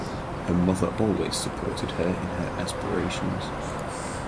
Her mother always supported her in her aspirations.